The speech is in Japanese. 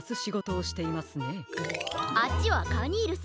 あっちはカニールさん。